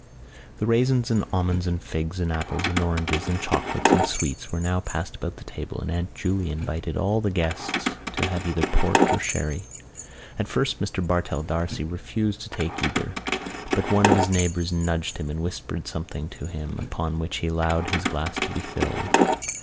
The raisins and almonds and figs and apples and oranges and chocolates and sweets were now passed about the table and Aunt Julia invited all the guests to have either port or sherry. At first Mr Bartell D'Arcy refused to take either but one of his neighbours nudged him and whispered something to him upon which he allowed his glass to be filled.